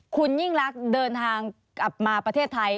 คุณยิ่งรักเดินทางกลับมาประเทศไทย